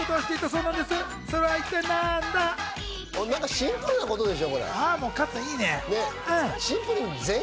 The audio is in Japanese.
シンプルなことでしょ。